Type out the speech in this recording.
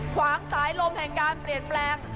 ขวางสายลมแห่งการเปลี่ยนแปลง